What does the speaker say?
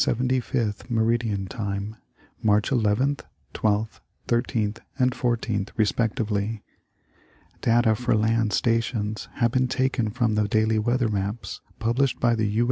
Yoth meridian time, March Tlth, 12th, 13th and 14th respectively. Data for land stations have been taken from the daily weather maps published by the U.